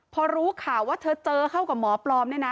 พอรู้ข่าวว่าเธอเจอเข้ากับหมอปลอมเนี่ยนะ